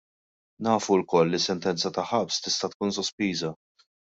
Nafu lkoll li sentenza ta' ħabs tista' tkun sospiża.